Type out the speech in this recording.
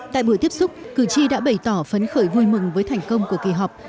tại buổi tiếp xúc cử tri đã bày tỏ phấn khởi vui mừng với thành công của kỳ họp